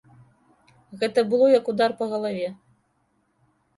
Гэта было як удар па галаве.